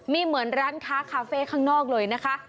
มีเหมือนร้านค้าคาเฟ่ข้างนอกเลยนะคะ